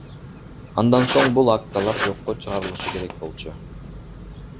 Андан соң бул акциялар жокко чыгарылышы керек болчу.